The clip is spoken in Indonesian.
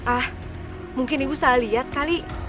ah mungkin ibu saya lihat kali